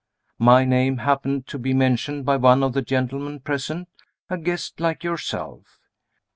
My name happened to be mentioned by one of the gentlemen present, a guest like yourself.